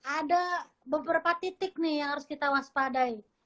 ada beberapa titik nih yang harus kita waspadai